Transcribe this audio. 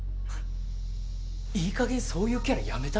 いいかげんそういうキャラやめたら？